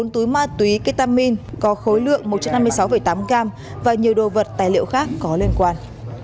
bốn túi ma túy ketamin có khối lượng một trăm năm mươi sáu tám gram và nhiều đồ vật tài liệu khác có liên quan